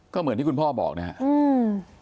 ก็เหมือนที่คุณพ่อบอกนะครับ